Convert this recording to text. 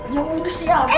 ya udah siapa